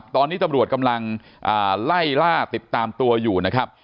ตอนนี้ตำรวจกำลังไล่ล่าติดตามตัวอยู่นะครับ